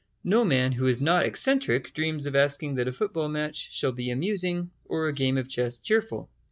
No man who is not eccentric dreams of asking that a football match shall be amusing or a game of chess cheerful.